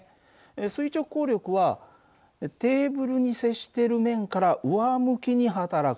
垂直抗力はテーブルに接している面から上向きに働く。